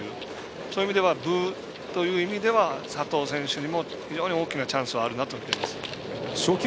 そういう意味では分という意味では佐藤選手にも大きなチャンスがあるなと。